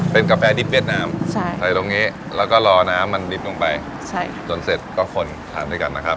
เป็นกาแฟดิบเวียดนามใช่ใส่ตรงนี้แล้วก็รอน้ำมันดิบลงไปจนเสร็จก็คนทานด้วยกันนะครับ